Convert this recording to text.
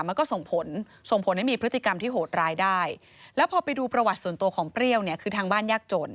มันก็ส่งผลส่งผลให้มีพฤติกรรมที่โหดร้ายได้แล้วพอไปดูประวัติส่วนตัวของเปรี้ยวเนี่ยคือทางบ้านยากจน